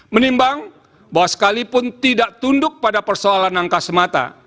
menimbang bahwa sekalipun tidak tunduk pada persoalan angka semata